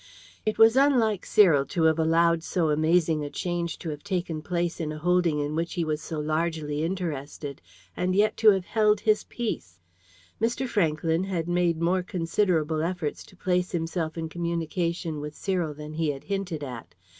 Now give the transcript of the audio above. It was unlike Cyril to have allowed so amazing a change to have taken place in a holding in which he was so largely interested, and yet to have held his peace. Mr. Franklyn had made more considerable efforts to place himself in communication with Cyril than he had hinted at.